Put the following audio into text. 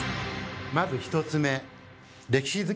まず１つ目。